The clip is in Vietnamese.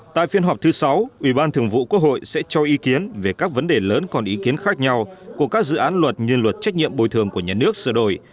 tại phiên họp thứ sáu ủy ban thường vụ quốc hội sẽ cho ý kiến về các vấn đề lớn còn ý kiến khác nhau của các dự án luật như luật trách nhiệm bồi thường của nhà nước sửa đổi